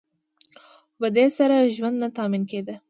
خو په دې سره ژوند نه تأمین کیده.